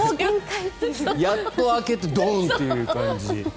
やっと開けてドンという感じ。